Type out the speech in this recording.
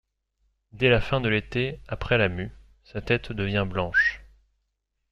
Dès la fin de l'été, après la mue, sa tête devient blanche.